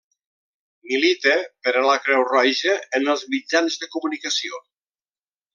Milita per a la Creu Roja en els mitjans de comunicació.